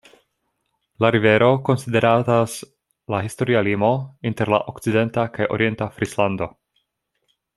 La rivero konsideratas la historia limo inter la okcidenta kaj orienta Frislando.